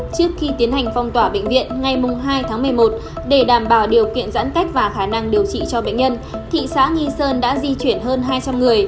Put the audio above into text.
trước khi tiến hành phong tỏa bệnh viện ngày hai tháng một mươi một để đảm bảo điều kiện giãn cách và khả năng điều trị cho bệnh nhân thị xã nghi sơn đã di chuyển hơn hai trăm linh người